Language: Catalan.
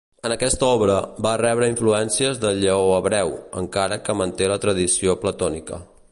En aquesta obra, va rebre influència de Lleó Hebreu, encara que manté la tradició platònica.